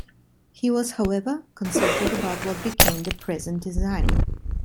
He was however consulted about what became the present design.